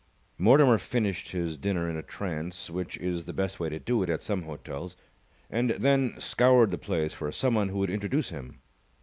Mortimer finished his dinner in a trance, which is the best way to do it at some hotels, and then scoured the place for someone who would introduce him.